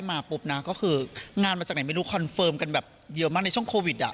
มาปุ๊บนะก็คืองานมาจากไหนไม่รู้คอนเฟิร์มกันแบบเยอะมากในช่วงโควิดอ่ะ